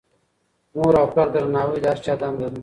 مور او پلار ته درناوی د هر چا دنده ده.